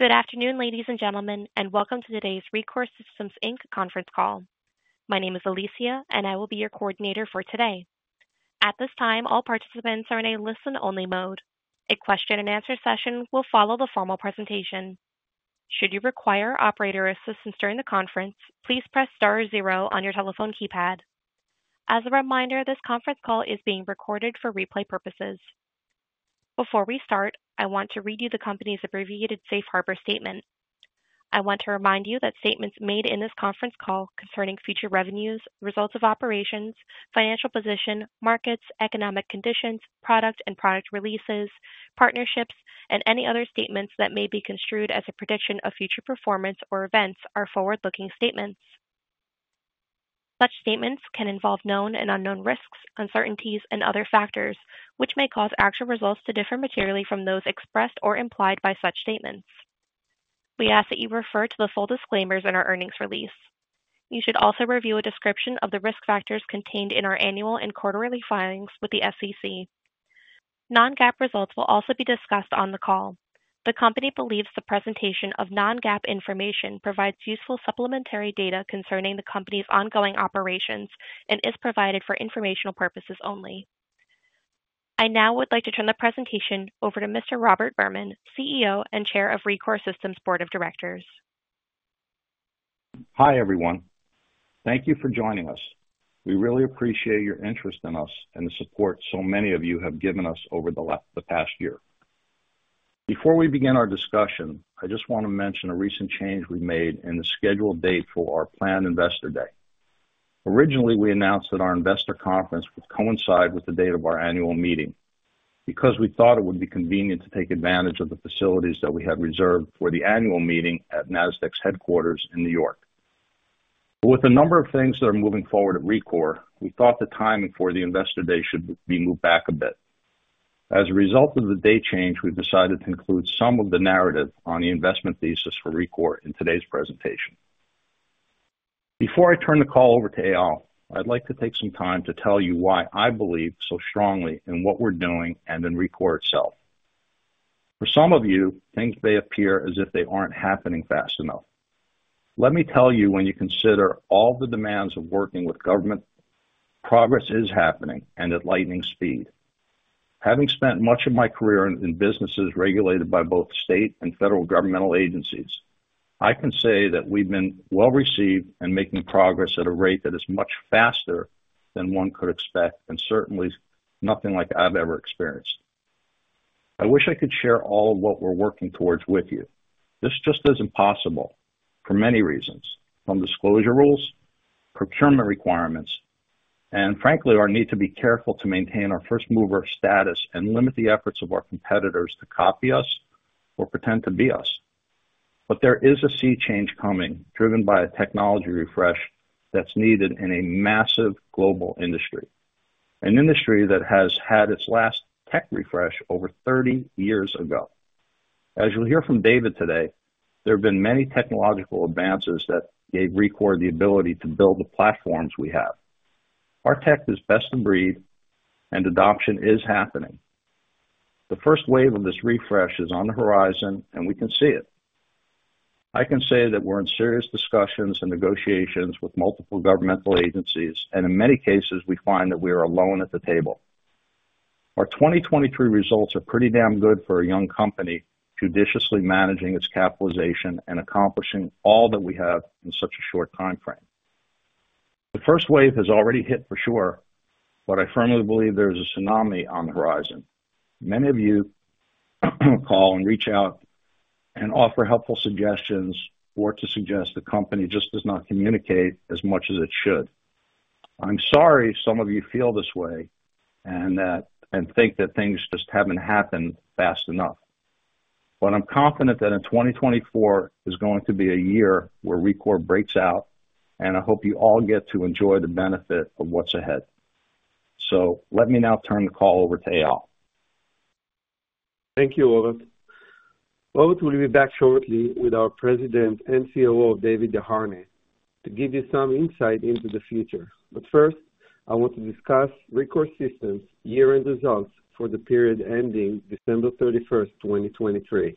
Good afternoon, ladies and gentlemen, and welcome to today's Rekor Systems Inc. conference call. My name is Alicia, and I will be your coordinator for today. At this time, all participants are in a listen-only mode. A question and answer session will follow the formal presentation. Should you require operator assistance during the conference, please press star zero on your telephone keypad. As a reminder, this conference call is being recorded for replay purposes. Before we start, I want to read you the company's abbreviated safe harbor statement. I want to remind you that statements made in this conference call concerning future revenues, results of operations, financial position, markets, economic conditions, product and product releases, partnerships, and any other statements that may be construed as a prediction of future performance or events are forward-looking statements. Such statements can involve known and unknown risks, uncertainties, and other factors, which may cause actual results to differ materially from those expressed or implied by such statements. We ask that you refer to the full disclaimers in our earnings release. You should also review a description of the risk factors contained in our annual and quarterly filings with the SEC. Non-GAAP results will also be discussed on the call. The company believes the presentation of non-GAAP information provides useful supplementary data concerning the company's ongoing operations and is provided for informational purposes only. I now would like to turn the presentation over to Mr. Robert Berman, CEO and Chair of Rekor Systems Board of Directors. Hi, everyone. Thank you for joining us. We really appreciate your interest in us and the support so many of you have given us over the past year. Before we begin our discussion, I just want to mention a recent change we made in the scheduled date for our planned Investor Day. Originally, we announced that our investor conference would coincide with the date of our annual meeting because we thought it would be convenient to take advantage of the facilities that we had reserved for the annual meeting at Nasdaq's headquarters in New York. But with a number of things that are moving forward at Rekor, we thought the timing for the Investor Day should be moved back a bit. As a result of the date change, we've decided to include some of the narrative on the investment thesis for Rekor in today's presentation. Before I turn the call over to Eyal, I'd like to take some time to tell you why I believe so strongly in what we're doing and in Rekor itself. For some of you, things may appear as if they aren't happening fast enough. Let me tell you, when you consider all the demands of working with government, progress is happening and at lightning speed. Having spent much of my career in businesses regulated by both state and federal governmental agencies, I can say that we've been well received and making progress at a rate that is much faster than one could expect, and certainly nothing like I've ever experienced. I wish I could share all of what we're working towards with you. This just isn't possible for many reasons, from disclosure rules, procurement requirements, and frankly, our need to be careful to maintain our first-mover status and limit the efforts of our competitors to copy us or pretend to be us. But there is a sea change coming, driven by a technology refresh that's needed in a massive global industry, an industry that has had its last tech refresh over 30 years ago. As you'll hear from David today, there have been many technological advances that gave Rekor the ability to build the platforms we have. Our tech is best in breed and adoption is happening. The first wave of this refresh is on the horizon, and we can see it. I can say that we're in serious discussions and negotiations with multiple governmental agencies, and in many cases, we find that we are alone at the table. Our 2023 results are pretty damn good for a young company, judiciously managing its capitalization and accomplishing all that we have in such a short timeframe. The first wave has already hit for sure, but I firmly believe there is a tsunami on the horizon. Many of you call and reach out and offer helpful suggestions or to suggest the company just does not communicate as much as it should. I'm sorry some of you feel this way and that, and think that things just haven't happened fast enough. But I'm confident that in 2024 is going to be a year where Rekor breaks out, and I hope you all get to enjoy the benefit of what's ahead. So let me now turn the call over to Eyal. Thank you, Robert. Robert will be back shortly with our President and COO, David Desharnais, to give you some insight into the future. But first, I want to discuss Rekor Systems' year-end results for the period ending December 31, 2023.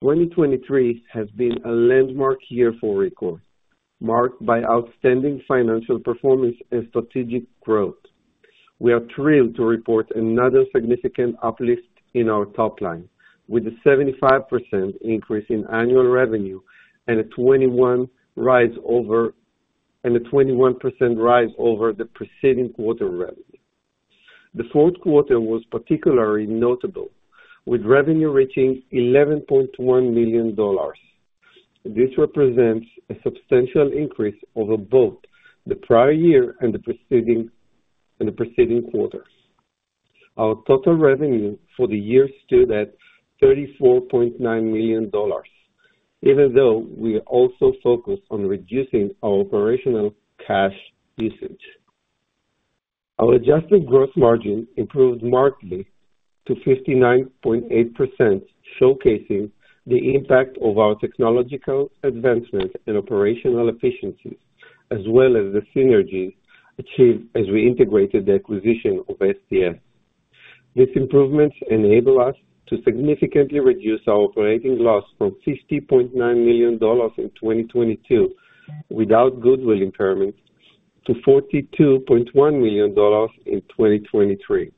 2023 has been a landmark year for Rekor, marked by outstanding financial performance and strategic growth. We are thrilled to report another significant uplift in our top line, with a 75% increase in annual revenue and a 21% rise over the preceding quarter revenue. The fourth quarter was particularly notable, with revenue reaching $11.1 million. This represents a substantial increase over both the prior year and the preceding quarters. Our total revenue for the year stood at $34.9 million, even though we also focused on reducing our operational cash usage. Our Adjusted gross margin improved markedly to 59.8%, showcasing the impact of our technological advancement and operational efficiency, as well as the synergies achieved as we integrated the acquisition of STS. These improvements enable us to significantly reduce our operating loss from $50.9 million in 2022, without goodwill impairments, to $42.1 million in 2023.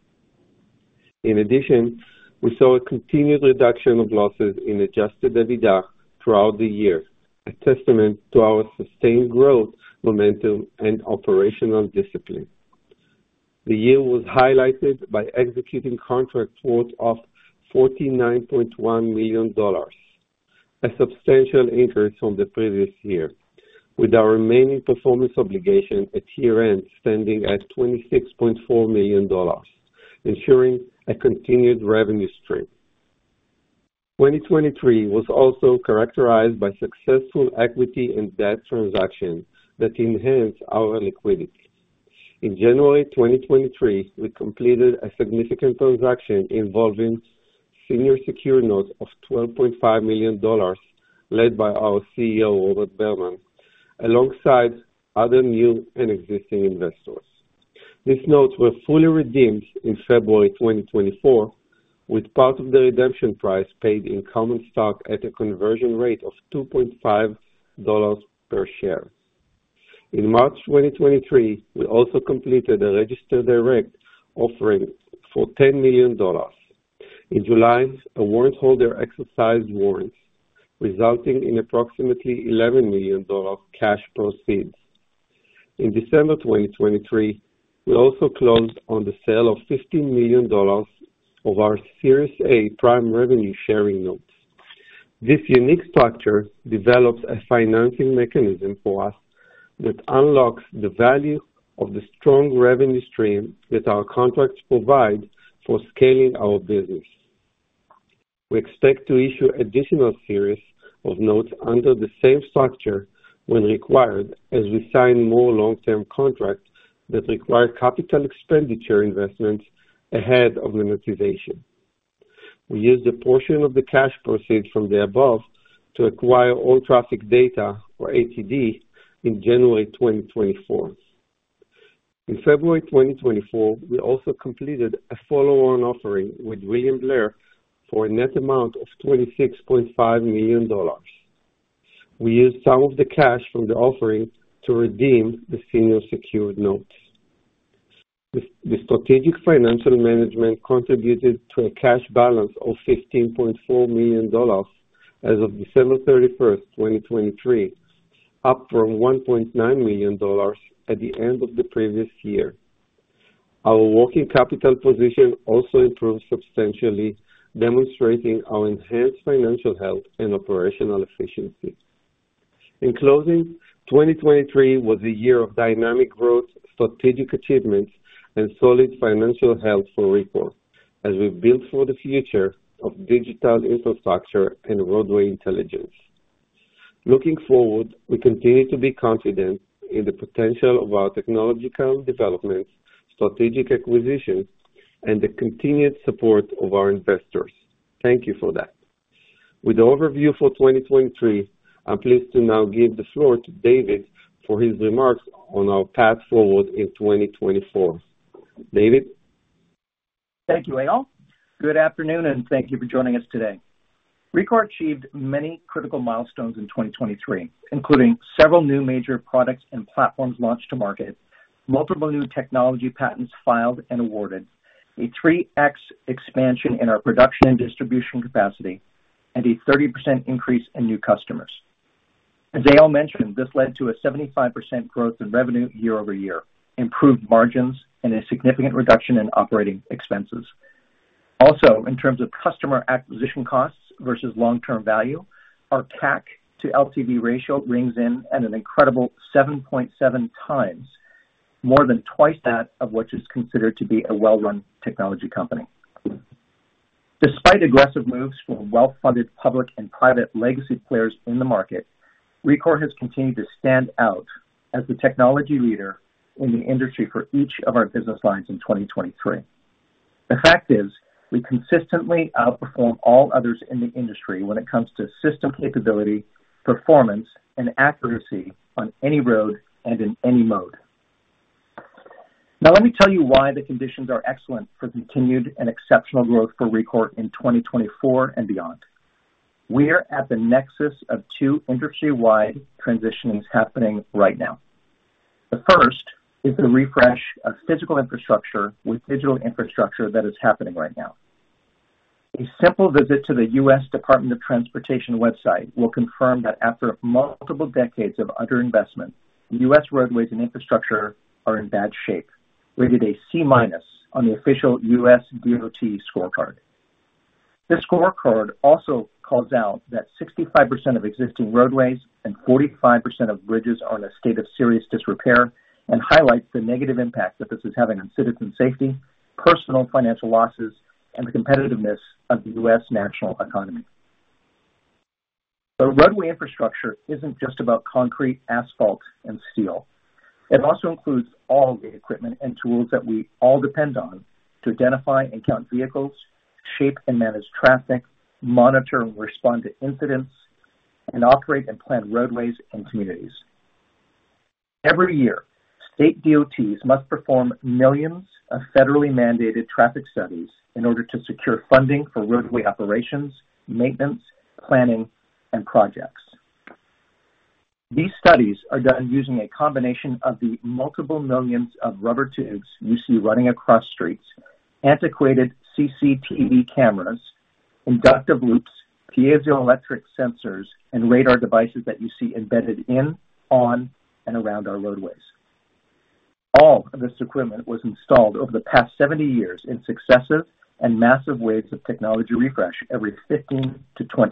In addition, we saw a continued reduction of losses in Adjusted EBITDA throughout the year, a testament to our sustained growth, momentum, and operational discipline. The year was highlighted by executing contract worth of $49.1 million, a substantial increase from the previous year, with our remaining performance obligation at year-end, standing at $26.4 million, ensuring a continued revenue stream. 2023 was also characterized by successful equity and debt transactions that enhanced our liquidity. In January 2023, we completed a significant transaction involving senior secured notes of $12.5 million, led by our CEO, Robert Berman, alongside other new and existing investors. These notes were fully redeemed in February 2024, with part of the redemption price paid in common stock at a conversion rate of $2.5 per share. In March 2023, we also completed a registered direct offering for $10 million. In July, a warrant holder exercised warrants, resulting in approximately $11 million cash proceeds. In December 2023, we also closed on the sale of $15 million of our Series A Prime Revenue Sharing Notes. This unique structure develops a financing mechanism for us that unlocks the value of the strong revenue stream that our contracts provide for scaling our business. We expect to issue additional series of notes under the same structure when required, as we sign more long-term contracts that require capital expenditure investments ahead of monetization. We used a portion of the cash proceeds from the above to acquire All Traffic Data, or ATD, in January 2024. In February 2024, we also completed a follow-on offering with William Blair for a net amount of $26.5 million. We used some of the cash from the offering to redeem the senior secured notes. The strategic financial management contributed to a cash balance of $15.4 million as of December 31, 2023, up from $1.9 million at the end of the previous year. Our working capital position also improved substantially, demonstrating our enhanced financial health and operational efficiency. In closing, 2023 was a year of dynamic growth, strategic achievements, and solid financial health for Rekor as we build for the future of digital infrastructure and roadway intelligence. Looking forward, we continue to be confident in the potential of our technological developments, strategic acquisitions, and the continued support of our investors. Thank you for that. With the overview for 2023, I'm pleased to now give the floor to David for his remarks on our path forward in 2024. David? Thank you, Eyal. Good afternoon and thank you for joining us today. Rekor achieved many critical milestones in 2023, including several new major products and platforms launched to market, multiple new technology patents filed and awarded, a 3x expansion in our production and distribution capacity, and a 30% increase in new customers. As Eyal mentioned, this led to a 75% growth in revenue year-over-year, improved margins, and a significant reduction in operating expenses. Also, in terms of customer acquisition costs versus long-term value, our CAC to LTV ratio rings in at an incredible 7.7 times, more than twice that of which is considered to be a well-run technology company. Despite aggressive moves from well-funded public and private legacy players in the market, Rekor has continued to stand out as the technology leader in the industry for each of our business lines in 2023. The fact is, we consistently outperform all others in the industry when it comes to system capability, performance, and accuracy on any road and in any mode. Now, let me tell you why the conditions are excellent for continued and exceptional growth for Rekor in 2024 and beyond. We are at the nexus of two industry-wide transitions happening right now. The first is the refresh of physical infrastructure with digital infrastructure that is happening right now. A simple visit to the U.S. Department of Transportation website will confirm that after multiple decades of underinvestment, U.S. roadways and infrastructure are in bad shape, rated a C-minus on the official U.S. DOT scorecard. This scorecard also calls out that 65% of existing roadways and 45% of bridges are in a state of serious disrepair and highlights the negative impact that this is having on citizen safety, personal financial losses, and the competitiveness of the U.S. national economy. But roadway infrastructure isn't just about concrete, asphalt, and steel. It also includes all the equipment and tools that we all depend on to identify and count vehicles, shape and manage traffic, monitor and respond to incidents, and operate and plan roadways and communities. Every year, state DOTs must perform millions of federally mandated traffic studies in order to secure funding for roadway operations, maintenance, planning, and projects. These studies are done using a combination of the multiple millions of rubber tubes you see running across streets, antiquated CCTV cameras, inductive loops, piezoelectric sensors, and radar devices that you see embedded in, on, and around our roadways. All of this equipment was installed over the past 70 years in successive and massive waves of technology refresh every 15-20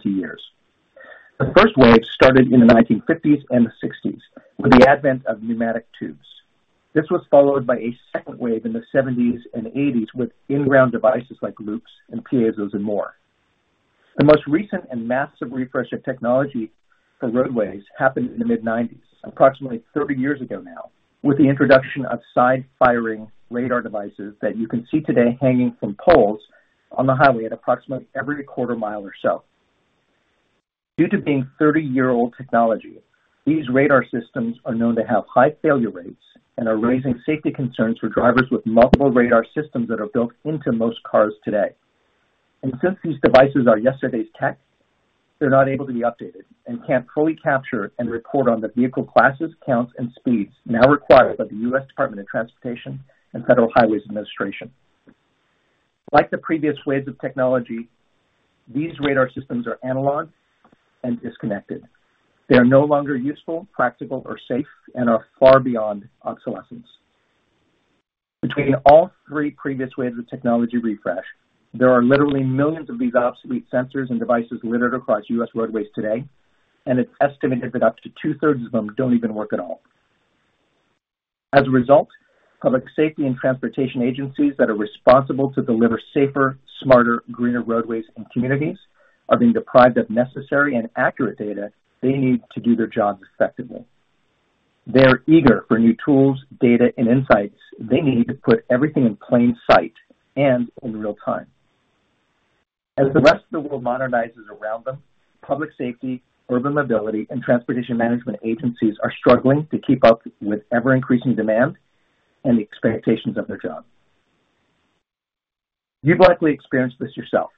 years. The first wave started in the 1950s and 1960s, with the advent of pneumatic tubes. This was followed by a second wave in the 1970s and 1980s, with in-ground devices like loops and piezos and more. The most recent and massive refresh of technology for roadways happened in the mid-1990s, approximately 30 years ago now, with the introduction of side-firing radar devices that you can see today hanging from poles on the highway at approximately every quarter mile or so. Due to being 30-year-old technology, these radar systems are known to have high failure rates and are raising safety concerns for drivers with multiple radar systems that are built into most cars today. Since these devices are yesterday's tech, they're not able to be updated and can't fully capture and report on the vehicle classes, counts, and speeds now required by the U.S. Department of Transportation and Federal Highway Administration. Like the previous waves of technology, these radar systems are analog and disconnected. They are no longer useful, practical, or safe and are far beyond obsolescence. Between all three previous waves of technology refresh, there are literally millions of these obsolete sensors and devices littered across U.S. roadways today, and it's estimated that up to 2/3s of them don't even work at all. As a result, public safety and transportation agencies that are responsible to deliver safer, smarter, greener roadways and communities are being deprived of necessary and accurate data they need to do their jobs effectively. They're eager for new tools, data, and insights they need to put everything in plain sight and in real time. As the rest of the world modernizes around them, public safety, urban mobility, and transportation management agencies are struggling to keep up with ever-increasing demand and the expectations of their job. You've likely experienced this yourself.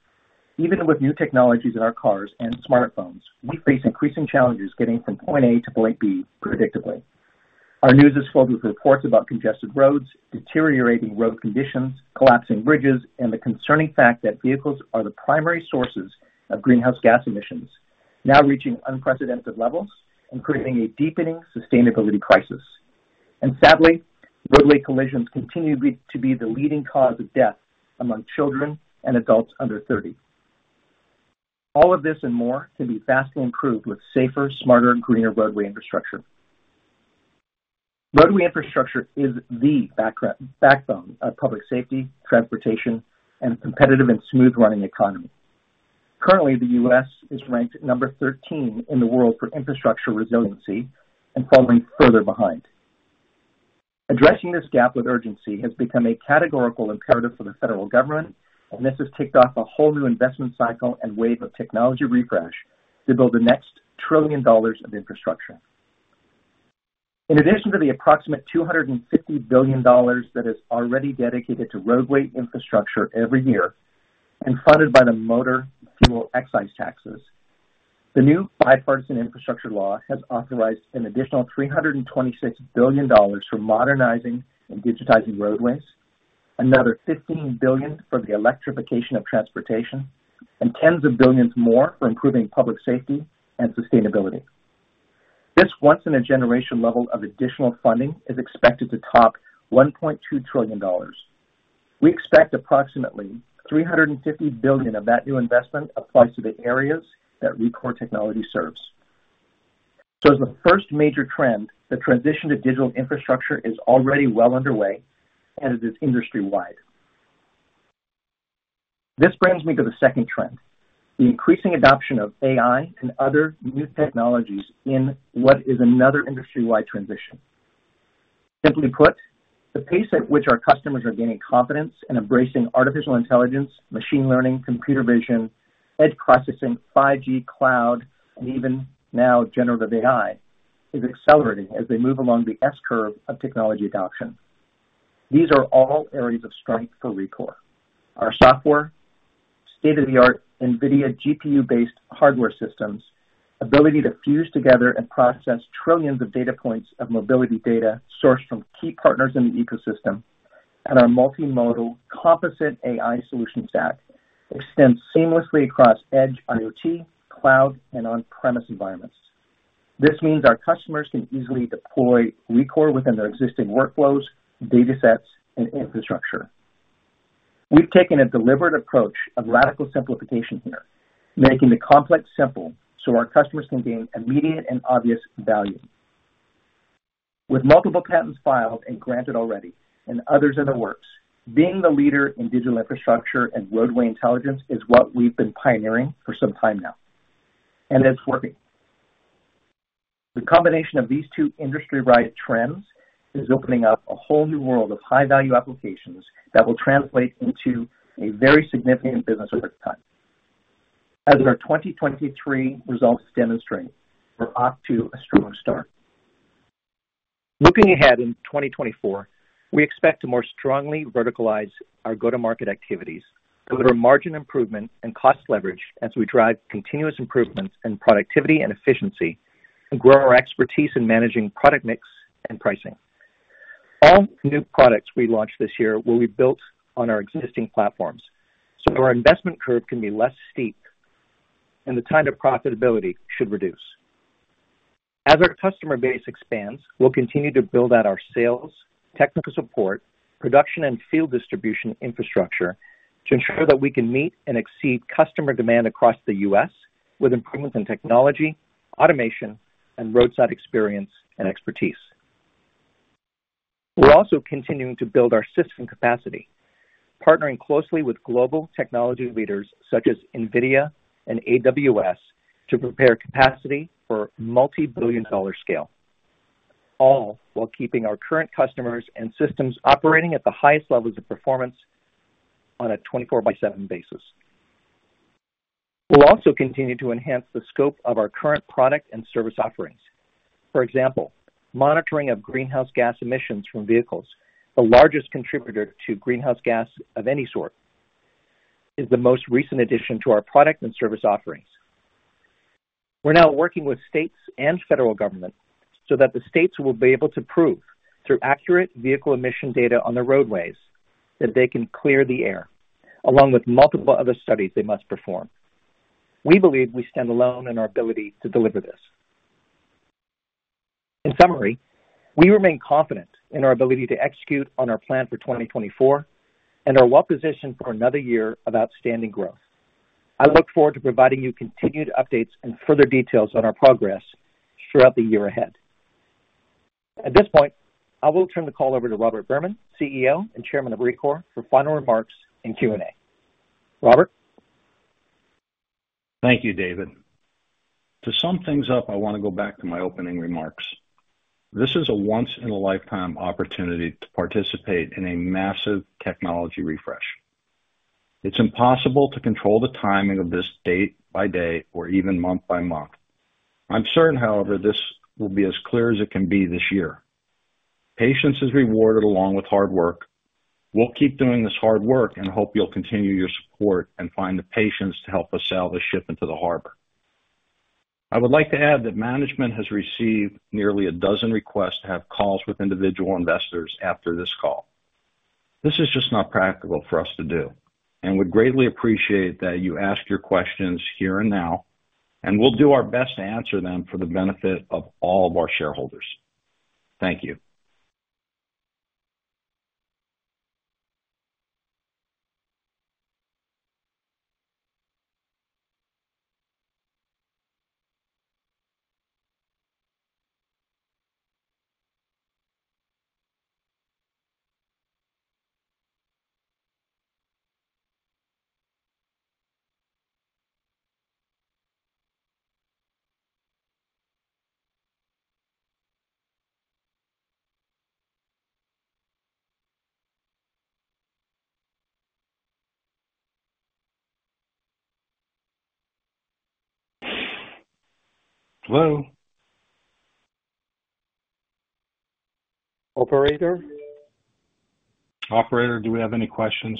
Even with new technologies in our cars and smartphones, we face increasing challenges getting from point A to point B predictably. Our news is filled with reports about congested roads, deteriorating road conditions, collapsing bridges, and the concerning fact that vehicles are the primary sources of greenhouse gas emissions, now reaching unprecedented levels and creating a deepening sustainability crisis. Sadly, roadway collisions continue to be the leading cause of death among children and adults under 30. All of this and more can be vastly improved with safer, smarter, and greener roadway infrastructure. Roadway infrastructure is the backbone of public safety, transportation, and competitive and smooth-running economy. Currently, the U.S. is ranked number 13 in the world for infrastructure resiliency and falling further behind. Addressing this gap with urgency has become a categorical imperative for the federal government, and this has kicked off a whole new investment cycle and wave of technology refresh to build the next $1 trillion of infrastructure. In addition to the approximate $250 billion that is already dedicated to roadway infrastructure every year, and funded by the motor fuel excise taxes, the new Bipartisan Infrastructure Law has authorized an additional $326 billion for modernizing and digitizing roadways, another $15 billion for the electrification of transportation, and $tens of billions more for improving public safety and sustainability. This once-in-a-generation level of additional funding is expected to top $1.2 trillion. We expect approximately $350 billion of that new investment applies to the areas that Rekor Systems serves. So, as the first major trend, the transition to digital infrastructure is already well underway, and it is industry wide. This brings me to the second trend, the increasing adoption of AI and other new technologies in what is another industry-wide transition. Simply put, the pace at which our customers are gaining confidence and embracing artificial intelligence, machine learning, computer vision, edge processing, 5G, cloud, and even now generative AI, is accelerating as they move along the S-curve of technology adoption. These are all areas of strength for Rekor. Our software, state-of-the-art NVIDIA GPU-based hardware systems, ability to fuse together and process trillions of data points of mobility data sourced from key partners in the ecosystem, and our multimodal composite AI solution stack extends seamlessly across edge, IoT, Cloud, and on-premises environments. This means our customers can easily deploy Rekor within their existing workflows, datasets, and infrastructure. We've taken a deliberate approach of radical simplification here, making the complex simple so our customers can gain immediate and obvious value. With multiple patents filed and granted already, and others in the works, being the leader in digital infrastructure and roadway intelligence is what we've been pioneering for some time now... and it's working. The combination of these two industry-wide trends is opening up a whole new world of high-value applications that will translate into a very significant business over time. As our 2023 results demonstrate, we're off to a strong start. Looking ahead in 2024, we expect to more strongly verticalize our go-to-market activities, deliver margin improvement and cost leverage as we drive continuous improvements in productivity and efficiency, and grow our expertise in managing product mix and pricing. All new products we launch this year will be built on our existing platforms, so our investment curve can be less steep and the time to profitability should reduce. As our customer base expands, we'll continue to build out our sales, technical support, production, and field distribution infrastructure to ensure that we can meet and exceed customer demand across the U.S. with improvements in technology, automation, and roadside experience and expertise. We're also continuing to build our system capacity, partnering closely with global technology leaders such as NVIDIA and AWS to prepare capacity for multi-billion-dollar scale, all while keeping our current customers and systems operating at the highest levels of performance on a 24 by 7 basis. We'll also continue to enhance the scope of our current product and service offerings. For example, monitoring of greenhouse gas emissions from vehicles, the largest contributor to greenhouse gas of any sort, is the most recent addition to our product and service offerings. We're now working with states and federal government so that the states will be able to prove, through accurate vehicle emission data on the roadways, that they can clear the air, along with multiple other studies they must perform. We believe we stand alone in our ability to deliver this. In summary, we remain confident in our ability to execute on our plan for 2024 and are well-positioned for another year of outstanding growth. I look forward to providing you continued updates and further details on our progress throughout the year ahead. At this point, I will turn the call over to Robert Berman, CEO and Chairman of Rekor, for final remarks and Q&A. Robert? Thank you, David. To sum things up, I want to go back to my opening remarks. This is a once-in-a-lifetime opportunity to participate in a massive technology refresh. It's impossible to control the timing of this date by day or even month by month. I'm certain, however, this will be as clear as it can be this year. Patience is rewarded along with hard work. We'll keep doing this hard work and hope you'll continue your support and find the patience to help us sail this ship into the harbor. I would like to add that management has received nearly a dozen requests to have calls with individual investors after this call. This is just not practical for us to do and would greatly appreciate that you ask your questions here and now, and we'll do our best to answer them for the benefit of all of our shareholders. Thank you. Hello? Operator. Operator, do we have any questions?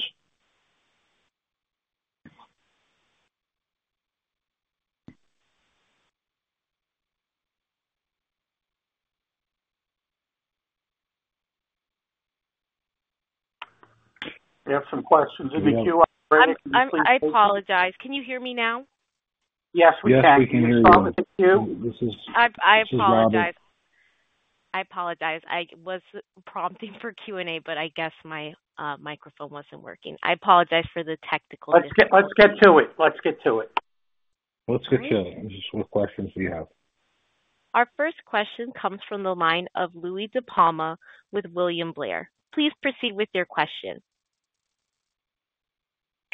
We have some questions in the queue, operator. I apologize. Can you hear me now? Yes, we can. Yes, we can hear you. I apologize. This is Robert. I apologize. I was prompting for Q&A, but I guess my microphone wasn't working. I apologize for the technical- Let's get, let's get to it. Let's get to it. Let's get to it. What questions do you have? Our first question comes from the line of Louie DiPalma with William Blair. Please proceed with your question.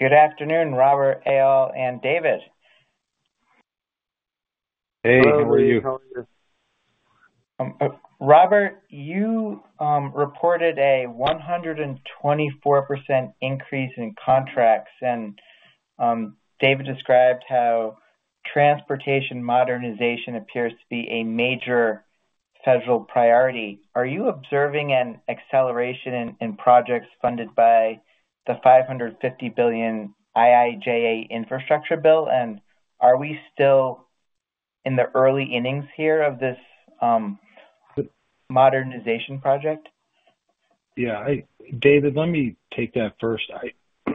Good afternoon, Robert, Eyal, and David. Hey, how are you? How are you? Robert, you reported a 124% increase in contracts, and David described how transportation modernization appears to be a major federal priority. Are you observing an acceleration in projects funded by the $550 billion IIJA infrastructure bill? And are we still in the early innings here of this modernization project? Yeah, David, let me take that first.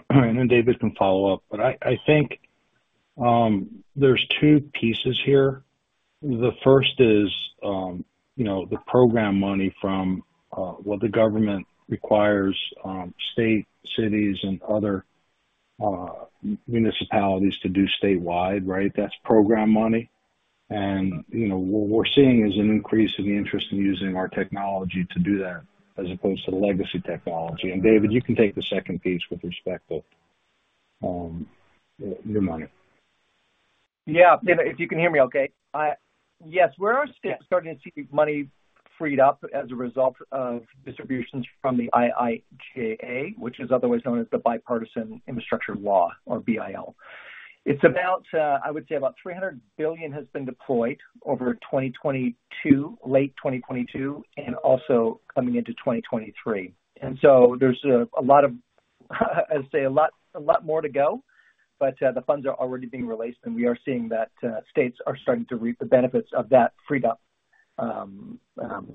And then David can follow up. But I think, there's two pieces here. The first is, you know, the program money from what the government requires state, cities, and other municipalities to do statewide, right? That's program money. And, you know, what we're seeing is an increase in the interest in using our technology to do that, as opposed to the legacy technology. And, David, you can take the second piece with respect to new money. Yeah, David, if you can hear me okay. Yes, we are starting to see money freed up as a result of distributions from the IIJA, which is otherwise known as the Bipartisan Infrastructure Law, or BIL. It's about, I would say about $300 billion has been deployed over 2022, late 2022, and also coming into 2023. And so there's a lot of, I'd say a lot more to go, but the funds are already being released, and we are seeing that states are starting to reap the benefits of that freed up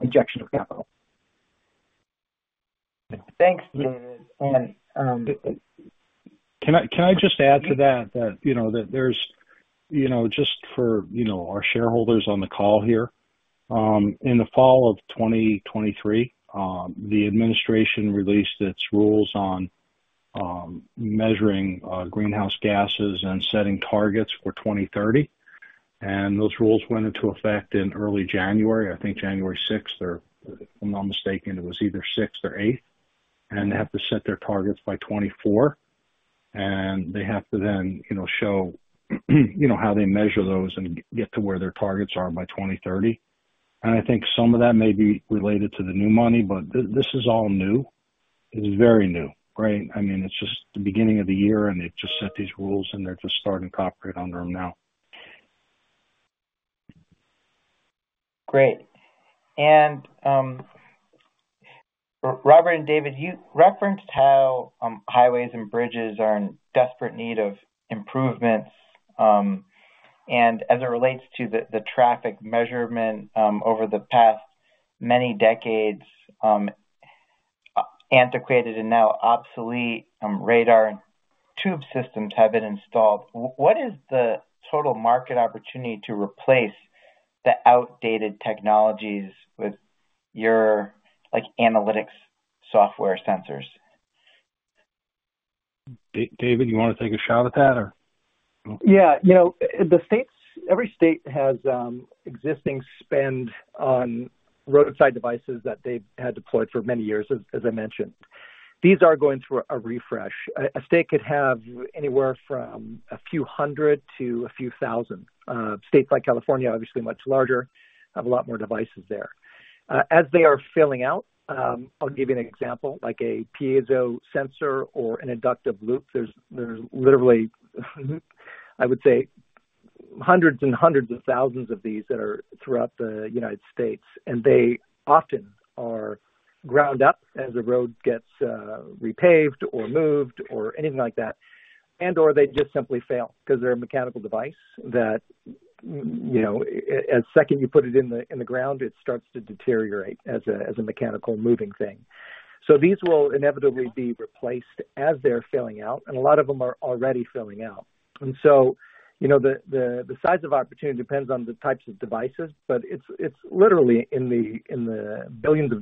injection of capital. Thanks, David and Can I, can I just add to that? That, you know, that there's, you know, just for, you know, our shareholders on the call here. In the fall of 2023, the administration released its rules on measuring greenhouse gases and setting targets for 2030, and those rules went into effect in early January, I think January 6th, or if I'm not mistaken, it was either 6th or 8th. And they have to set their targets by 2024, and they have to then, you know, show, you know, how they measure those and get to where their targets are by 2030. And I think some of that may be related to the new money, but this is all new. It is very new, right? I mean, it's just the beginning of the year, and they've just set these rules, and they're just starting to operate under them now. Great. Robert and David, you referenced how highways and bridges are in desperate need of improvements, and as it relates to the traffic measurement over the past many decades, antiquated and now obsolete radar and tube systems have been installed. What is the total market opportunity to replace the outdated technologies with your, like, analytics software sensors? David, you want to take a shot at that, or? Yeah. You know, the states, every state has existing spend on roadside devices that they've had deployed for many years, as I mentioned. These are going through a refresh. A state could have anywhere from a few hundred to a few thousand. States like California, obviously much larger, have a lot more devices there. As they are filling out, I'll give you an example, like a piezo sensor or an inductive loop. There's literally, I would say, hundreds and hundreds of thousands of these that are throughout the United States, and they often are ground up as the road gets repaved or moved or anything like that, and/or they just simply fail because they're a mechanical device that you know, the second you put it in the ground, it starts to deteriorate as a mechanical moving thing. So, these will inevitably be replaced as they're failing out, and a lot of them are already failing out. And so, you know, the size of opportunity depends on the types of devices, but it's literally in the $ billions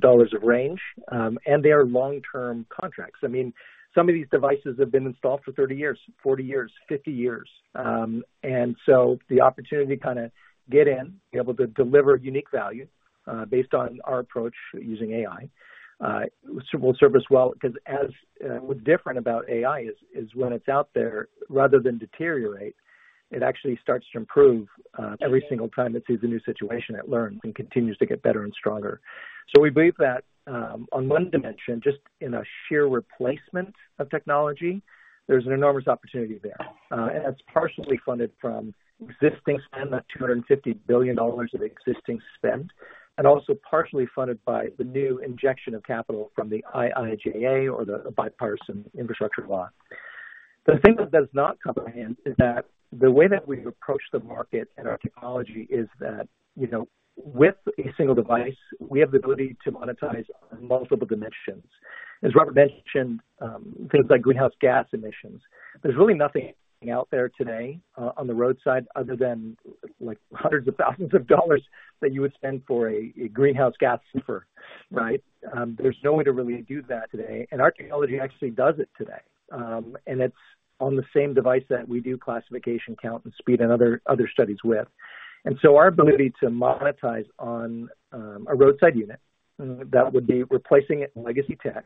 range, and they are long-term contracts. I mean, some of these devices have been installed for 30 years, 40 years, 50 years. And so, the opportunity to kind of get in, be able to deliver unique value, based on our approach using AI, will serve us well, because as... What's different about AI is when it's out there, rather than deteriorate, it actually starts to improve, every single time it sees a new situation, it learns and continues to get better and stronger. So, we believe that, on one dimension, just in a sheer replacement of technology, there's an enormous opportunity there. And that's partially funded from existing spend, that $250 billions of existing spend, and also partially funded by the new injection of capital from the IIJA or the Bipartisan Infrastructure Law. The thing that does not come in hand is that the way that we approach the market and our technology is that, you know, with a single device, we have the ability to monetize on multiple dimensions. As Robert mentioned, things like greenhouse gas emissions. There's really nothing out there today, on the roadside other than, like, hundreds of thousands of dollars that you would spend for a greenhouse gas sniffer, right? There's no way to really do that today, and our technology actually does it today. It's on the same device that we do classification, count, and speed, and other, other studies with. So our ability to monetize on a roadside unit that would be replacing a legacy tech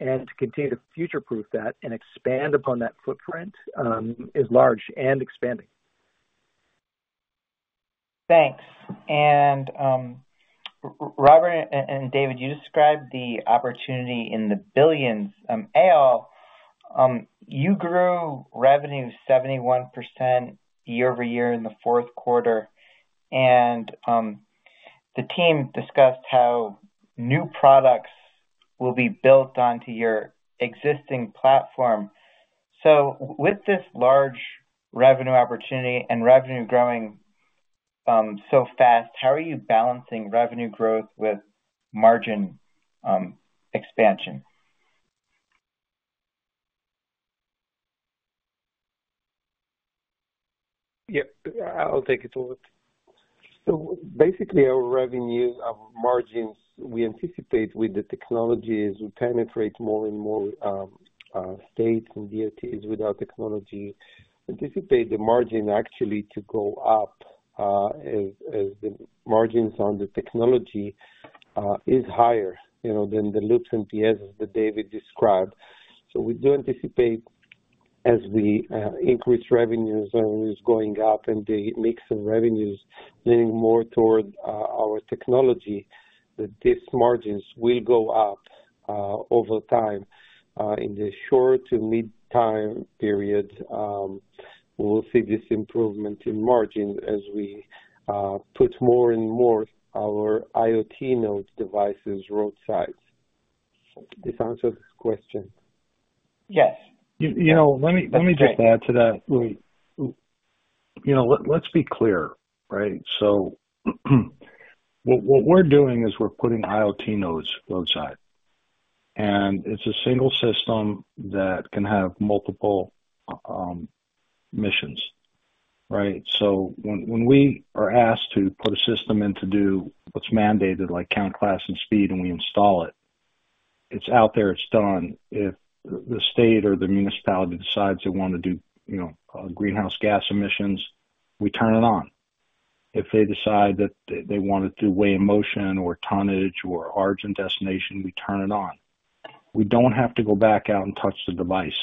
and to continue to future-proof that and expand upon that footprint is large and expanding. Thanks. Robert and David, you described the opportunity in the billions, you grew revenue 71% year-over-year in the fourth quarter, and the team discussed how new products will be built onto your existing platform. So, with this large revenue opportunity and revenue growing so fast, how are you balancing revenue growth with margin expansion? Yep, I'll take it, David. So basically, our revenue, our margins, we anticipate with the technologies we penetrate more and more states and DOTs with our technology. Anticipate the margin actually to go up, as the margin on the technology is higher, you know, than the loops and PS that David described. So, we do anticipate as the increased revenues are always going up and the mix of revenues leaning more toward our technology, that these margins will go up over time. In the short to mid-time period, we will see this improvement in margin as we put more and more our IoT nodes devices roadsides. This answer the question? Yes. You know, let me just add to that. You know, let's be clear, right? So, what we're doing is we're putting IoT nodes roadside, and it's a single system that can have multiple missions, right? So, when we are asked to put a system in to do what's mandated, like count, class, and speed, and we install it, it's out there, it's done. If the state or the municipality decides they want to do, you know, greenhouse gas emissions, we turn it on. If they decide that they want to do weigh in motion or tonnage or origin, destination, we turn it on. We don't have to go back out and touch the device,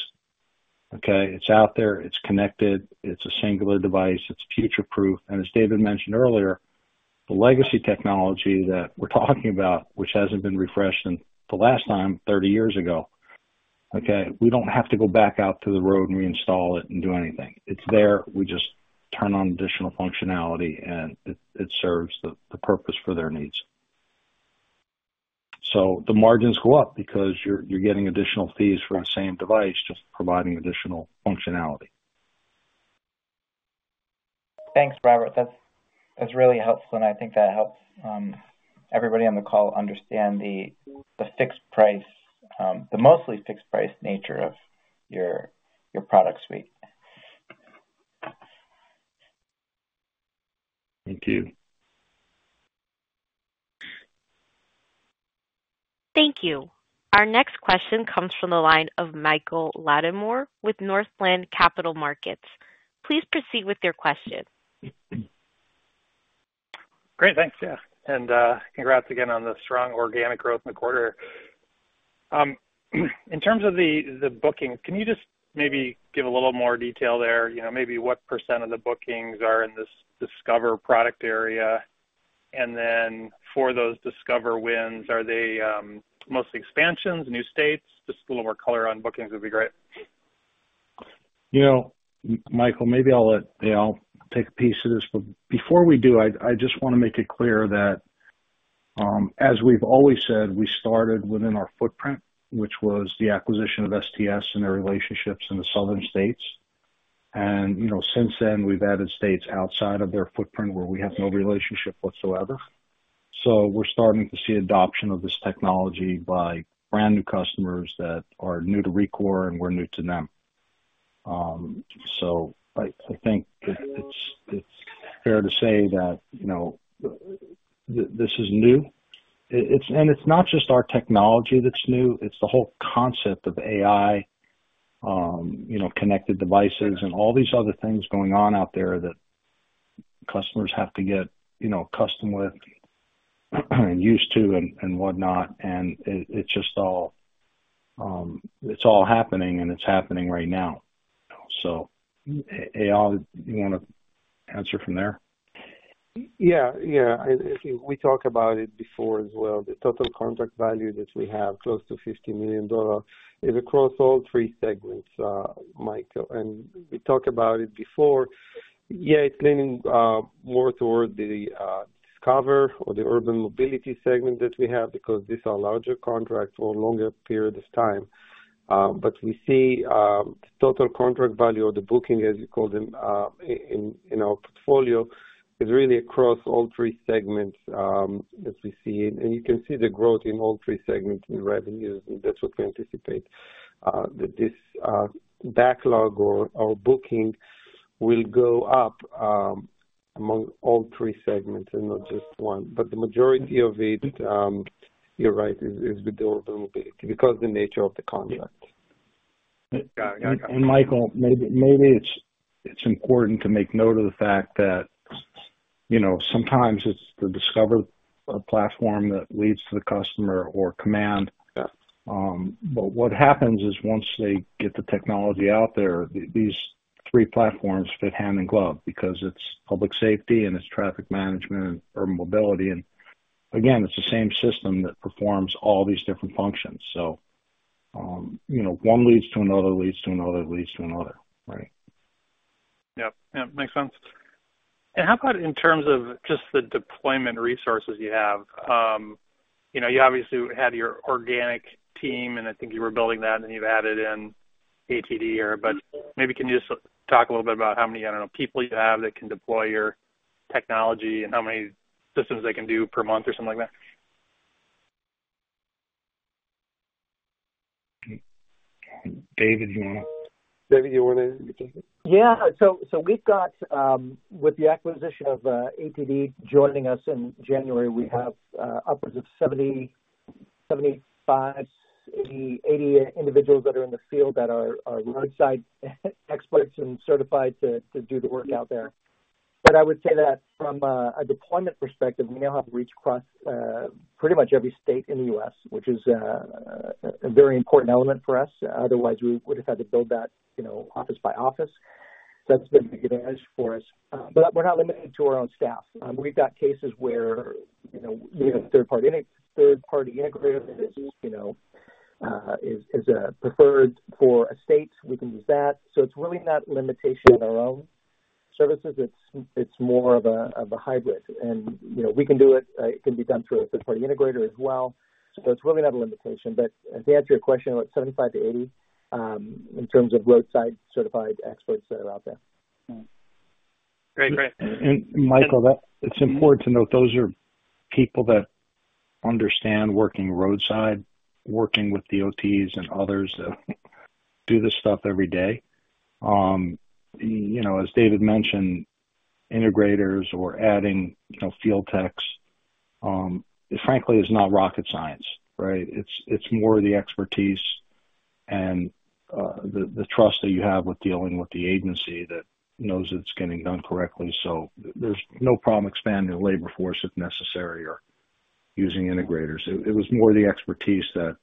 okay? It's out there, it's connected, it's a singular device, it's future proof. As David mentioned earlier, the legacy technology that we're talking about, which hasn't been refreshed in the last time, 30 years ago, okay? We don't have to go back out to the road and reinstall it and do anything. It's there. We just turn on additional functionality, and it, it serves the, the purpose for their needs. So, the margins go up because you're, you're getting additional fees for the same device, just providing additional functionality. Thanks, Robert. That's, that's really helpful, and I think that helps, everybody on the call understand the, the fixed price, the mostly fixed price nature of your, your product suite. Thank you. Thank you. Our next question comes from the line of Michael Latimore with Northland Capital Markets. Please proceed with your question. Great, thanks. Yeah, and, congrats again on the strong organic growth in the quarter. In terms of the bookings, can you just maybe give a little more detail there? You know, maybe what % of the bookings are in this Discover product area? And then for those Discover wins, are they, mostly expansions, new states? Just a little more color on bookings would be great. You know, Michael, maybe I'll let Eyal take a piece of this, but before we do, I just want to make it clear that as we've always said, we started within our footprint, which was the acquisition of STS and their relationships in the southern states. And, you know, since then, we've added states outside of their footprint where we have no relationship whatsoever. So we're starting to see adoption of this technology by brand new customers that are new to Rekor, and we're new to them. So I think it's fair to say that, you know, this is new. It's, and it's not just our technology that's new, it's the whole concept of AI, you know, connected devices and all these other things going on out there that customers have to get, you know, custom with, and used to and, and whatnot, and it's just all. It's all happening, and it's happening right now. So, Eyal, you want to answer from there? Yeah, yeah. I think we talked about it before as well. The total contract value that we have, close to $50 million, is across all three segments, Michael, and we talked about it before. Yeah, it's leaning more toward the Discover or the Urban Mobility segment that we have, because these are larger contracts for longer periods of time. But we see total contract value, or the booking, as you call them, in our portfolio, is really across all three segments, as we see. And you can see the growth in all three segments in revenues, and that's what we anticipate that this backlog or booking will go up among all three segments and not just one. But the majority of it, you're right, is with the Urban Mobility because the nature of the contract. And Michael, maybe it's important to make note of the fact that, you know, sometimes it's the Discover platform that leads to the customer or Command. But what happens is once they get the technology out there, these three platforms fit hand in glove because it's public safety and it's traffic management and urban mobility. And again, it's the same system that performs all these different functions. So, you know, one leads to another, leads to another, leads to another, right? Yep. Yep, makes sense. And how about in terms of just the deployment resources you have? You know, you obviously had your organic team, and I think you were building that, and then you've added in ATD here, but maybe can you just talk a little bit about how many, I don't know, people you have that can deploy your technology and how many systems they can do per month or something like that?... David, you want? David, do you want to? Yeah, so we've got, with the acquisition of ATD joining us in January, we have upwards of 70, 75, 80, 80 individuals that are in the field that are roadside experts and certified to do the work out there. But I would say that from a deployment perspective, we now have reach across pretty much every state in the U.S., which is a very important element for us. Otherwise, we would have had to build that, you know, office by office. That's the big advantage for us. But we're not limited to our own staff. We've got cases where, you know, we have a third-party integrator that is, you know, is preferred for a state. We can use that. So it's really not limitation in our own services. It's more of a hybrid. You know, we can do it. It can be done through a third-party integrator as well. So it's really not a limitation. But to answer your question, about 75-80 in terms of roadside-certified experts that are out there. Great. Great. And Michael, it's important to note, those are people that understand working roadside, working with DOTs and others that do this stuff every day. You know, as David mentioned, integrators or adding, you know, field techs, frankly, is not rocket science, right? It's more the expertise and the trust that you have with dealing with the agency that knows it's getting done correctly. So there's no problem expanding the labor force if necessary, or using integrators. It was more the expertise that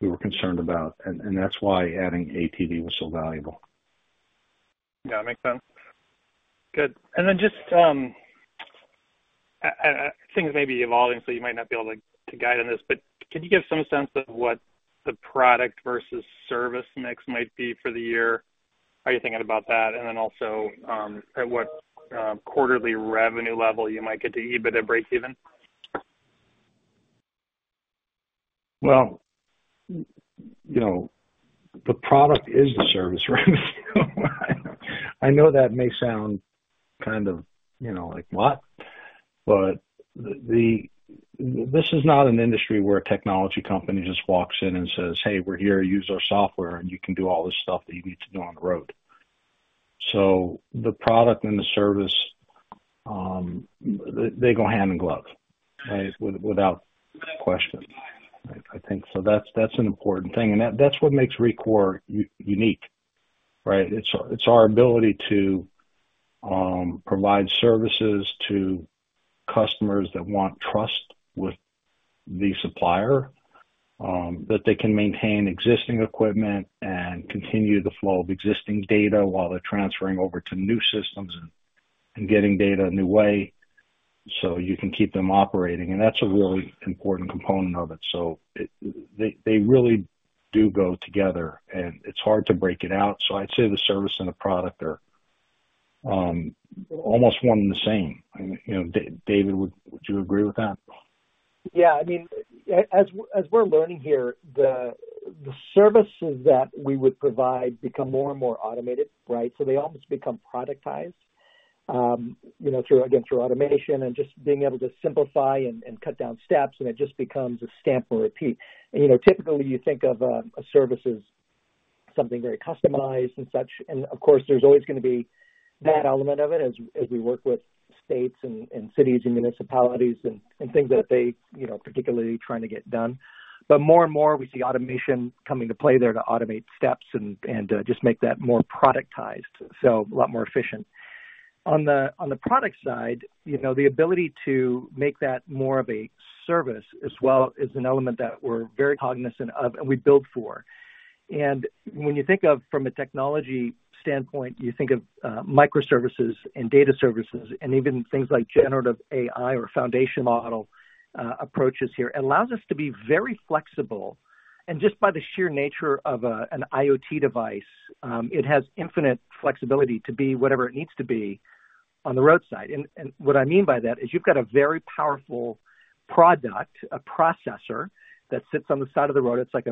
we were concerned about, and that's why adding ATD was so valuable. Yeah, it makes sense. Good. And then just, things may be evolving, so you might not be able to guide on this, but can you give some sense of what the product versus service mix might be for the year? How are you thinking about that? And then also, at what quarterly revenue level you might get to EBITDA breakeven? Well, you know, the product is the service revenue. I know that may sound kind of, you know, like what? But this is not an industry where a technology company just walks in and says, "Hey, we're here. Use our software, and you can do all this stuff that you need to do on the road." So the product and the service, they go hand in glove, right? Without question, I think. So that's an important thing, and that's what makes Rekor unique, right? It's our ability to provide services to customers that want trust with the supplier, that they can maintain existing equipment and continue the flow of existing data while they're transferring over to new systems and getting data a new way, so you can keep them operating. That's a really important component of it. So they, they really do go together, and it's hard to break it out. So I'd say the service and the product are almost one and the same. You know, David, would you agree with that? Yeah. I mean, as we're learning here, the services that we would provide become more and more automated, right? So they almost become productized, you know, through, again, through automation and just being able to simplify and cut down steps, and it just becomes a stamp and repeat. And, you know, typically, you think of a service as something very customized and such. And of course, there's always going to be that element of it as we work with states and cities and municipalities and things that they, you know, particularly trying to get done. But more and more, we see automation coming to play there to automate steps and just make that more productized, so a lot more efficient. On the product side, you know, the ability to make that more of a service as well, is an element that we're very cognizant of and we build for. And when you think of from a technology standpoint, you think of microservices and data services and even things like generative AI or foundation model approaches here, allows us to be very flexible. And just by the sheer nature of an IoT device, it has infinite flexibility to be whatever it needs to be on the roadside. And what I mean by that is you've got a very powerful product, a processor, that sits on the side of the road. It's like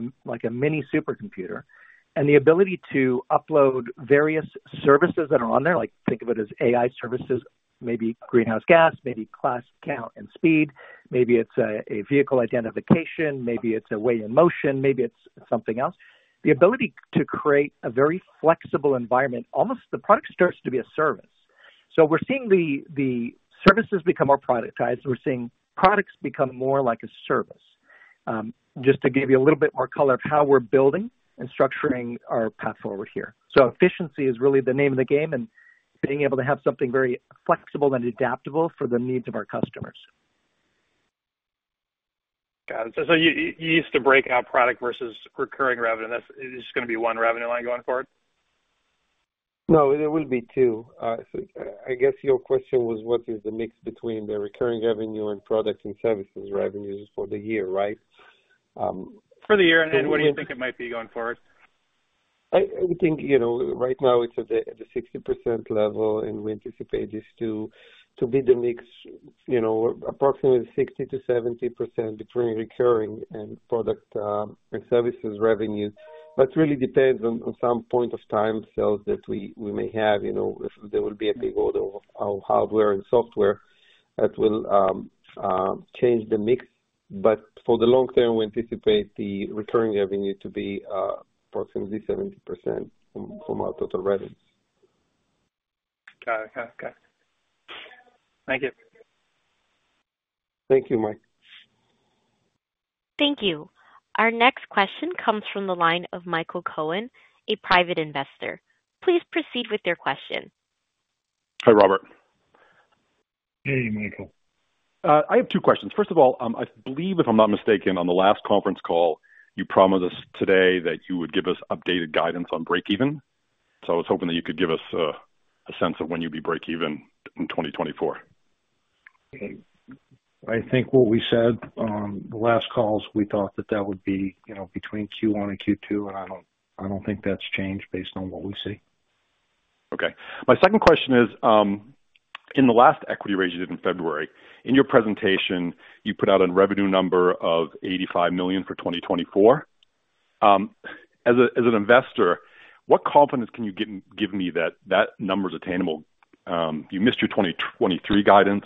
a mini supercomputer. And the ability to upload various services that are on there, like, think of it as AI services, maybe greenhouse gas, maybe class, count, and speed. Maybe it's a vehicle identification, maybe it's a way in motion, maybe it's something else. The ability to create a very flexible environment, almost the product starts to be a service. So we're seeing the services become more productized. We're seeing products become more like a service. Just to give you a little bit more color of how we're building and structuring our path forward here. So efficiency is really the name of the game, and being able to have something very flexible and adaptable for the needs of our customers. Got it. So you, you used to break out product versus recurring revenue, and that's—it's just going to be one revenue line going forward? No, there will be two. I guess your question was, what is the mix between the recurring revenue and product and services revenues for the year, right? For the year, and then what do you think it might be going forward? I think, you know, right now it's at the 60% level, and we anticipate this to be the mix, you know, approximately 60%-70% between recurring and product, and services revenue. But it really depends on some point of time sales that we may have. You know, there will be a big order of our hardware and software that will change the mix, but for the long term, we anticipate the recurring revenue to be approximately 70% from our total revenues. Got it. Okay, good. Thank you. Thank you, Mike. Thank you. Our next question comes from the line of Michael Cohen, a private investor. Please proceed with your question. Hi, Robert. Hey, Michael. I have two questions. First of all, I believe, if I'm not mistaken, on the last conference call, you promised us today that you would give us updated guidance on breakeven. So I was hoping that you could give us a sense of when you'd be breakeven in 2024. I think what we said on the last calls, we thought that that would be, you know, between Q1 and Q2, and I don't, I don't think that's changed based on what we see. Okay. My second question is, in the last equity raise you did in February, in your presentation, you put out a revenue number of $85 million for 2024. As a, as an investor, what confidence can you give, give me that that number is attainable? You missed your 2023 guidance.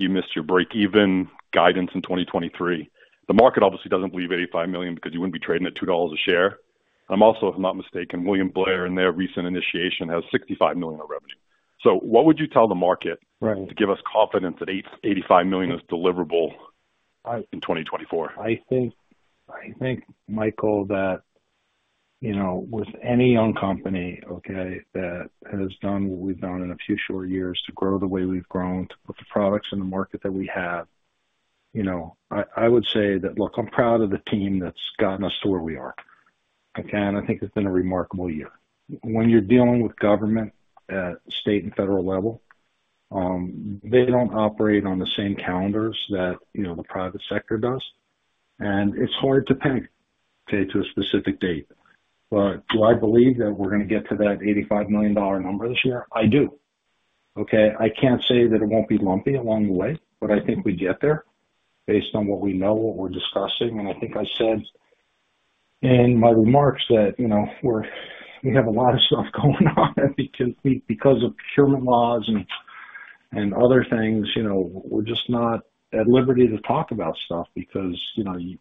You missed your breakeven guidance in 2023. The market obviously doesn't believe $85 million because you wouldn't be trading at $2 a share. I'm also, if I'm not mistaken, William Blair, in their recent initiation, has $65 million in revenue. So what would you tell the market- Right. to give us confidence that $88.5 million is deliverable in 2024? I think, Michael, that, you know, with any young company, okay, that has done what we've done in a few short years to grow the way we've grown, to put the products in the market that we have, you know, I would say that, look, I'm proud of the team that's gotten us to where we are. Again, I think it's been a remarkable year. When you're dealing with government at state and federal level, they don't operate on the same calendars that, you know, the private sector does, and it's hard to pin, okay, to a specific date. But do I believe that we're gonna get to that $85 million number this year? I do. Okay. I can't say that it won't be lumpy along the way, but I think we get there based on what we know, what we're discussing. I think I said in my remarks that, you know, we're, we have a lot of stuff going on, because of procurement laws and other things, you know, we're just not at liberty to talk about stuff because, you know, you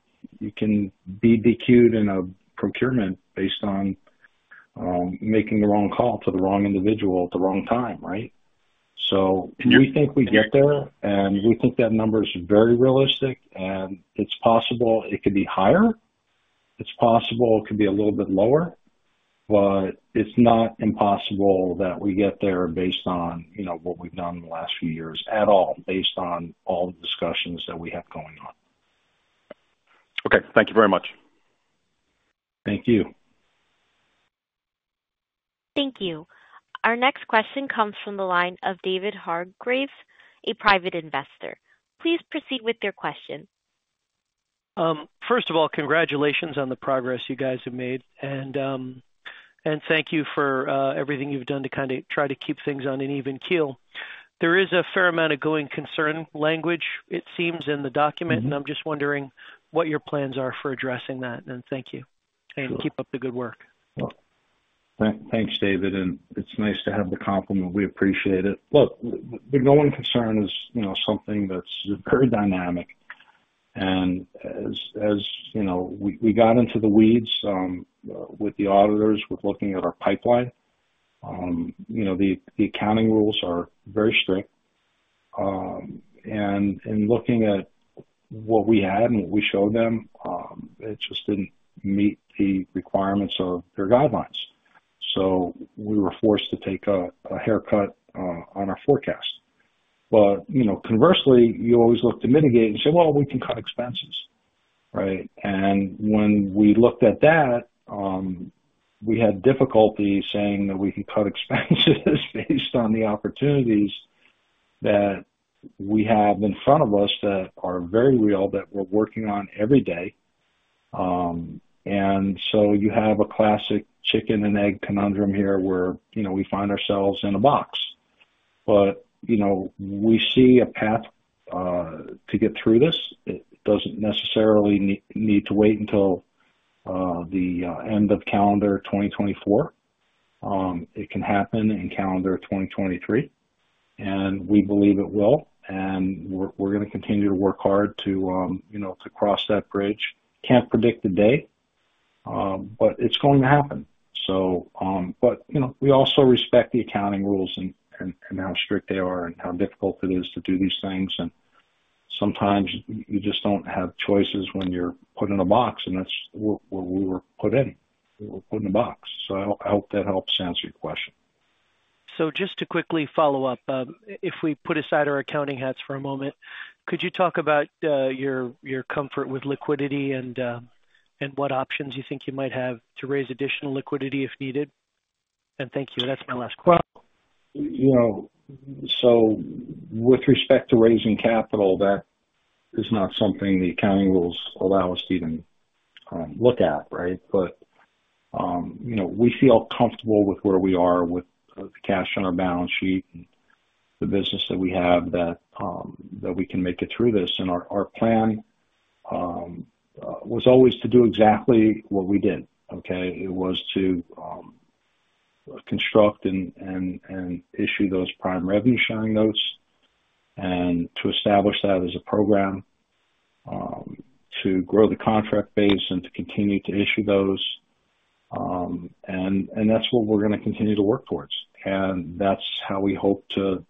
can be BBQed in a procurement based on making the wrong call to the wrong individual at the wrong time, right? So we think we get there, and we think that number is very realistic, and it's possible it could be higher. It's possible it could be a little bit lower, but it's not impossible that we get there based on, you know, what we've done in the last few years, at all, based on all the discussions that we have going on. Okay. Thank you very much. Thank you. Thank you. Our next question comes from the line of David Hargreaves, a private investor. Please proceed with your question. First of all, congratulations on the progress you guys have made, and, and thank you for everything you've done to kind of try to keep things on an even keel. There is a fair amount of going concern language, it seems, in the document. Mm-hmm. I'm just wondering what your plans are for addressing that. And thank you. Sure. Keep up the good work. Well, thanks, David, and it's nice to have the compliment. We appreciate it. Look, the going concern is, you know, something that's very dynamic. And as you know, we got into the weeds with the auditors with looking at our pipeline. You know, the accounting rules are very strict, and in looking at what we had and what we showed them, it just didn't meet the requirements or their guidelines. So we were forced to take a haircut on our forecast. But, you know, conversely, you always look to mitigate and say, well, we can cut expenses, right? And when we looked at that, we had difficulty saying that we can cut expenses based on the opportunities that we have in front of us, that are very real, that we're working on every day. And so you have a classic chicken and egg conundrum here, where, you know, we find ourselves in a box. But, you know, we see a path to get through this. It doesn't necessarily need to wait until the end of calendar 2024. It can happen in calendar 2023, and we believe it will, and we're gonna continue to work hard to, you know, to cross that bridge. Can't predict the date, but it's going to happen. So, but, you know, we also respect the accounting rules and how strict they are and how difficult it is to do these things. And sometimes you just don't have choices when you're put in a box, and that's where we were put in. We were put in a box, so I hope that helps answer your question. So just to quickly follow up, if we put aside our accounting hats for a moment, could you talk about your comfort with liquidity and what options you think you might have to raise additional liquidity if needed? And thank you. That's my last question. Well, you know, so with respect to raising capital, that is not something the accounting rules allow us to even look at, right? But you know, we feel comfortable with where we are with the cash on our balance sheet and the business that we have, that we can make it through this. Our plan was always to do exactly what we did, okay? It was to construct and issue those Prime Revenue Sharing Notes... and to establish that as a program to grow the contract base and to continue to issue those. And that's what we're gonna continue to work towards. And that's how we hope to,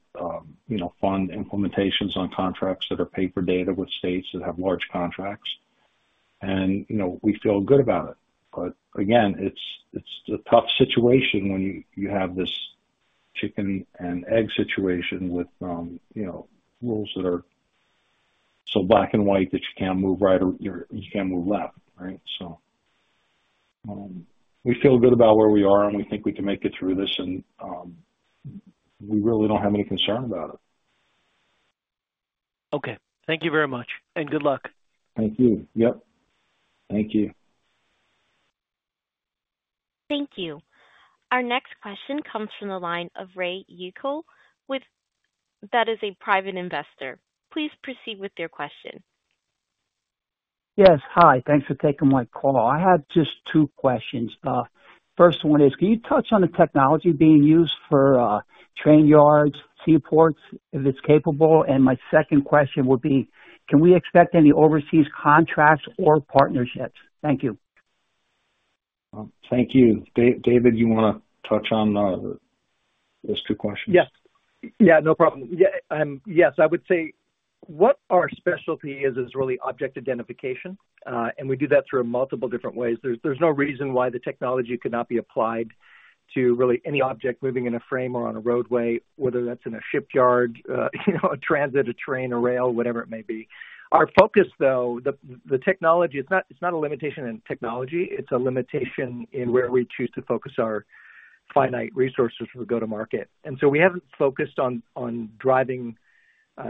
you know, fund implementations on contracts that are pay per data with states that have large contracts. And, you know, we feel good about it. But again, it's a tough situation when you have this chicken and egg situation with, you know, rules that are so black and white that you can't move right or you can't move left, right? So, we feel good about where we are, and we think we can make it through this, and we really don't have any concern about it. Okay, thank you very much, and good luck. Thank you. Yep, thank you. Thank you. Our next question comes from the line of Ray Yuko, that is a private investor. Please proceed with your question. Yes, hi. Thanks for taking my call. I had just two questions. First one is, can you touch on the technology being used for train yards, seaports, if it's capable? And my second question would be: Can we expect any overseas contracts or partnerships? Thank you. Well, thank you. David, you wanna touch on those two questions? Yes. Yeah, no problem. Yeah, yes, I would say what our specialty is, is really object identification. And we do that through multiple different ways. There's no reason why the technology cannot be applied to really any object moving in a frame or on a roadway, whether that's in a shipyard, you know, a transit, a train, a rail, whatever it may be. Our focus, though, the technology, it's not a limitation in technology, it's a limitation in where we choose to focus our finite resources as we go to market. And so we haven't focused on driving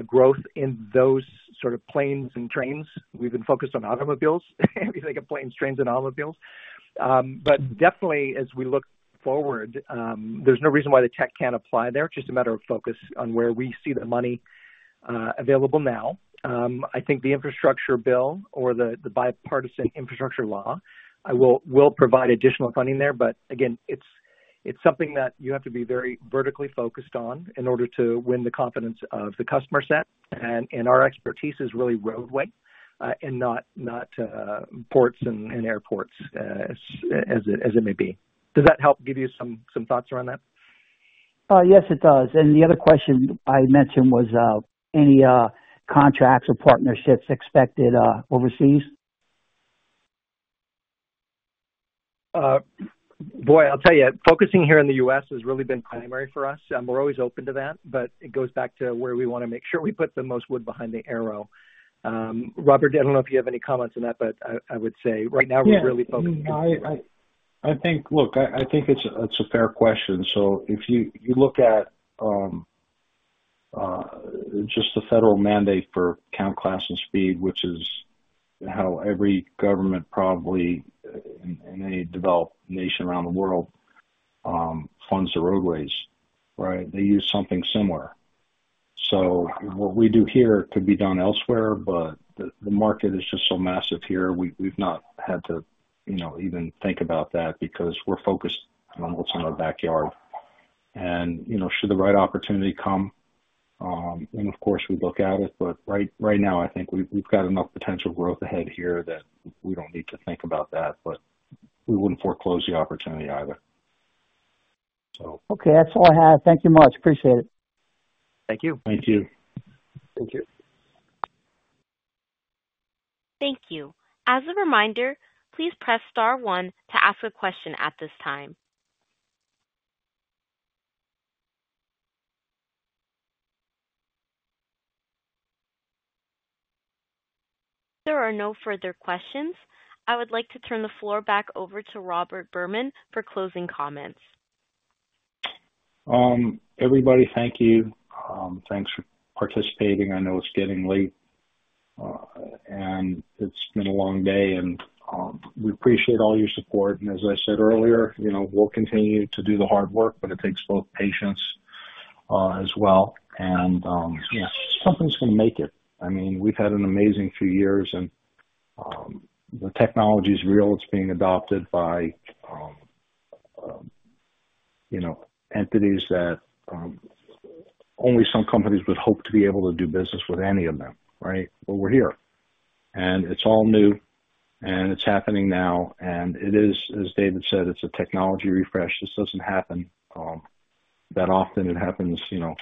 growth in those sort of planes and trains. We've been focused on automobiles. If you think of planes, trains, and automobiles. But definitely, as we look forward, there's no reason why the tech can't apply there. It's just a matter of focus on where we see the money available now. I think the infrastructure bill or the Bipartisan Infrastructure Law will provide additional funding there. But again, it's something that you have to be very vertically focused on in order to win the confidence of the customer set. And our expertise is really roadway and not ports and airports as it may be. Does that help give you some thoughts around that? Yes, it does. And the other question I mentioned was any contracts or partnerships expected overseas? Boy, I'll tell you, focusing here on the U.S. has really been primary for us. We're always open to that, but it goes back to where we wanna make sure we put the most wood behind the arrow. Robert, I don't know if you have any comments on that, but I would say right now we're really focused. I think. Look, I think it's a fair question. So, if you look at just the federal mandate for count, class, and speed, which is how every government probably in any developed nation around the world funds the roadways, right? They use something similar. So, what we do here could be done elsewhere, but the market is just so massive here, we've not had to, you know, even think about that because we're focused on what's in our backyard. And, you know, should the right opportunity come, then of course we'd look at it. But right now, I think we've got enough potential growth ahead here that we don't need to think about that, but we wouldn't foreclose the opportunity either, so. Okay, that's all I have. Thank you much. Appreciate it. Thank you. Thank you. Thank you. Thank you. As a reminder, please press star one to ask a question at this time. There are no further questions. I would like to turn the floor back over to Robert Berman for closing comments. Everybody, thank you. Thanks for participating. I know it's getting late, and it's been a long day, and we appreciate all your support. And as I said earlier, you know, we'll continue to do the hard work, but it takes both patience, as well. And, yeah, something's gonna make it. I mean, we've had an amazing few years, and the technology's real. It's being adopted by, you know, entities that only some companies would hope to be able to do business with any of them, right? But we're here, and it's all new, and it's happening now, and it is, as David said, it's a technology refresh. This doesn't happen that often. It happens, you know,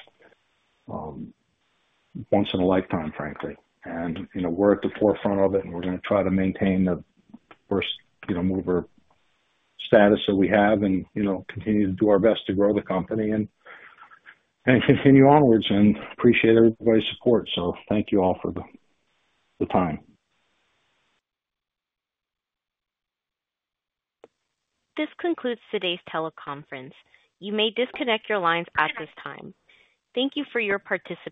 once in a lifetime, frankly. You know, we're at the forefront of it, and we're gonna try to maintain the first mover status that we have and, you know, continue to do our best to grow the company and continue onwards and appreciate everybody's support. So, thank you all for the time. This concludes today's teleconference. You may disconnect your lines at this time. Thank you for your participation.